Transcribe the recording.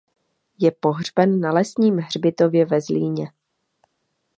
Je pohřben na lesním hřbitově ve Zlíně.